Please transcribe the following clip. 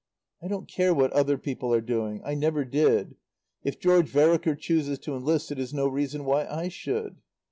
"I don't care what other people are doing. I never did. If George Vereker chooses to enlist it is no reason why I should."